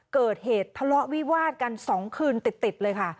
เกิดเหตุทะเลาะวิวาดกัน๒คืนติดเลยค่ะ